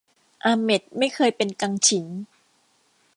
อาเหม็ดไม่เคยเป็นกังฉิน